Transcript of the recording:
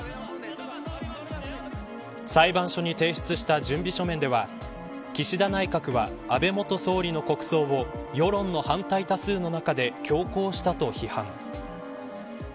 裁判所に提出した準備書面では岸田内閣は、安倍元総理の国葬を世論の反対多数の中で強行したと批判。